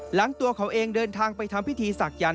ตัวเขาเองเดินทางไปทำพิธีศักยันต